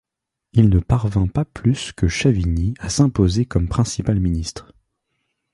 Il ne parvint pas plus que Chavigny à s'imposer comme principal ministre.